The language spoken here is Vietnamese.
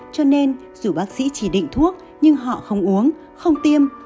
cho nên dù bác sĩ chỉ định thuốc nhưng họ không uống không tiêm